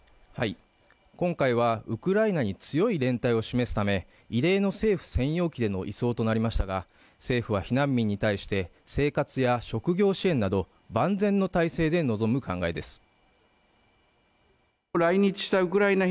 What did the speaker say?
今回はウクライナに強い連帯を示すため異例の政府専用機での移送となりましたが政府は避難民に対して生活や職業支援など万全の態勢で臨む考えです